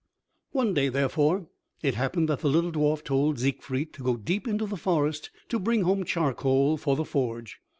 One day, therefore, it happened that the little dwarf told Siegfried to go deep into the forest to bring home charcoal for the forge.